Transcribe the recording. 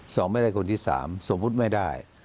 สองไม่ได้คนที่สามสมมุติไม่ได้